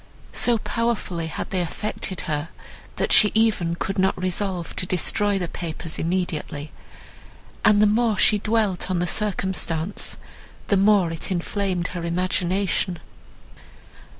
So powerfully had they affected her, that she even could not resolve to destroy the papers immediately; and the more she dwelt on the circumstance, the more it inflamed her imagination.